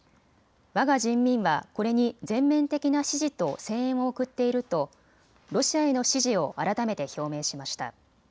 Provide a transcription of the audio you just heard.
わが人民はこれに全面的な支持と声援を送っているとロシアへの支持を改めて表明しました。